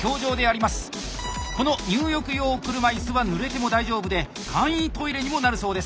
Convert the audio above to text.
この入浴用車いすはぬれても大丈夫で簡易トイレにもなるそうです。